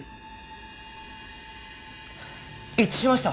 一致しました！